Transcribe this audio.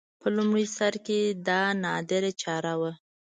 په لومړي سر کې دا نادره چاره وه